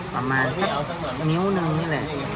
ประมาณสักนิ้วนึงนี่แหละ